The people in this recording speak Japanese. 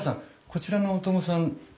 こちらの小友さん